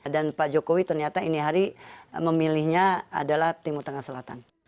dan pak jokowi ternyata ini hari memilihnya adalah timur tengah selatan